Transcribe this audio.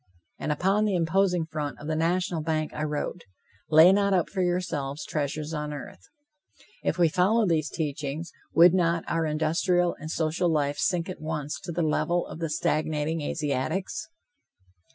And upon the imposing front of the national bank, I wrote: "Lay not up for yourselves treasures on earth." If we followed these teachings, would not our industrial and social life sink at once to the level of the stagnating Asiatics?